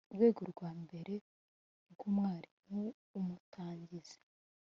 rwego rwa mbere rw umwarimu w umutangizi